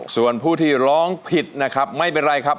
ส่วนผู้ที่ร้องผิดนะครับไม่เป็นไรครับ